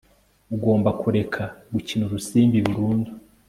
ugomba kureka gukina urusimbi burundu